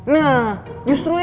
nah justru itu